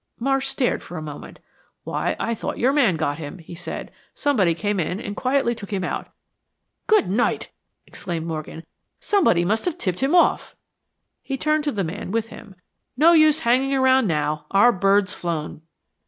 Marsh stared for a moment. "Why I thought your man got him," he said. "Somebody came in and quietly took him out." "Good night!" exclaimed Morgan. "Somebody must have tipped him off." He turned to the man with him. "No use hanging around now. Our bird's flown."